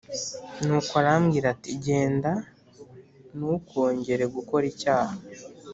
Nuko arambwira ati genda nukongere gukora icyaha